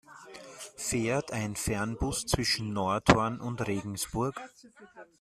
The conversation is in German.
Fährt ein Fernbus zwischen Nordhorn und Regensburg?